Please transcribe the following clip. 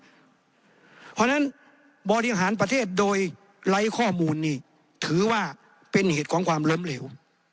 เพราะฉะนั้นบริหารประเทศโดยไร้ข้อมูลนี่ถือว่าเป็นเหตุของความล้มเหลว